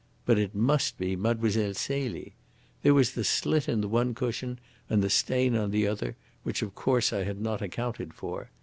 But it must be Mlle. Celie. There was the slit in the one cushion and the stain on the other which, of course, I had not accounted for.